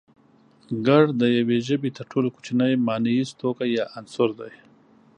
گړ د يوې ژبې تر ټولو کوچنی مانيز توکی يا عنصر دی